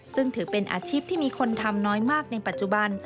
ซึ่งถือเป็นอาชีพที่มีคนทำน้อยมากในปัจจุบัน